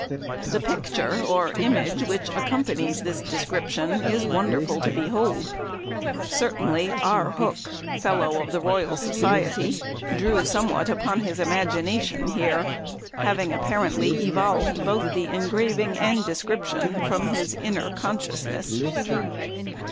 The picture or "image," which accompanies this description, is wonderful to behold. Certainly R. Hooke, Fellow of the Royal Society, drew somewhat upon his imagination here, having apparently evolved both engraving and description from his inner consciousness.